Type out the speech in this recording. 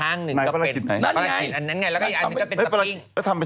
อันนี้ก็เป็นตัปปิ้ง